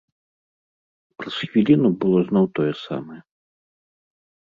Праз хвіліну было зноў тое самае.